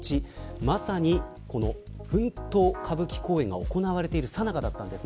まさに、奮闘歌舞伎公演が行われているさなかでした。